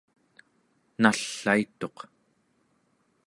nallaituq